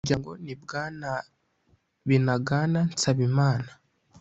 muryango ni bwana Binagana Nsabimana